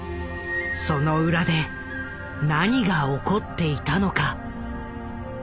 その裏で何が起こっていたのか。